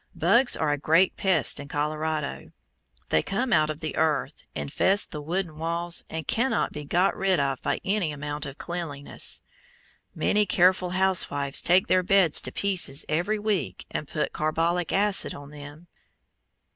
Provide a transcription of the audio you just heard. Bugs are a great pest in Colorado. They come out of the earth, infest the wooden walls, and cannot be got rid of by any amount of cleanliness. Many careful housewives take their beds to pieces every week and put carbolic acid on them.